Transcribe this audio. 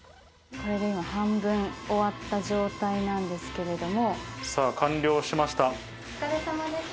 これで今、半分終わった状態なんですけれども。